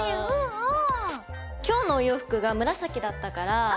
うん！